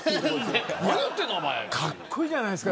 かっこいいじゃないですか。